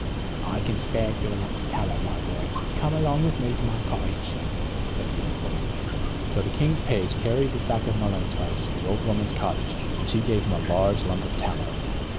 "I can spare you a lump of tallow, my boy. Come along with me to my cottage," said the old woman. So the king's page carried the sack of mullein spikes to the old woman's cottage and she gave him a large lump of tallow.